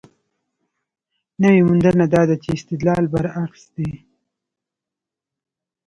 نوې موندنه دا ده چې استدلال برعکس دی.